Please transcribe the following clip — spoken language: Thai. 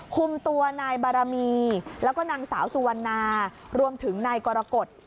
คุมตัวนายบารมีแล้วก็นางสาวสุวรรณารวมถึงนายกรกฎ